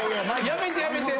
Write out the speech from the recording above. やめてやめて。